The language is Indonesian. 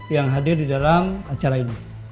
yang hadir di dalam acara ini